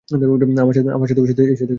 আমার সাথেও এসে দেখা করে।